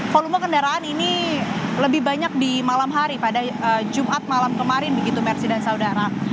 volume kendaraan ini lebih banyak di malam hari pada jumat malam kemarin begitu mercy dan saudara